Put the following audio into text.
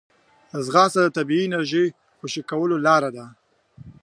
ځغاسته د طبیعي انرژۍ خوشې کولو لاره ده